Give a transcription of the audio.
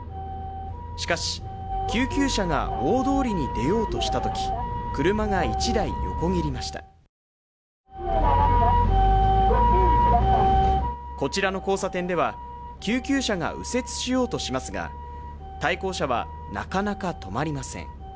しかし救急車が大通りに出ようとした時車が１台横切りましたこちらの交差点では救急車が右折しようとしますが対向車はなかなか止まりません